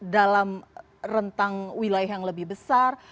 dalam rentang wilayah yang lebih besar